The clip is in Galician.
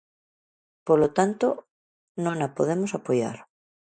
Polo tanto, non a podemos apoiar.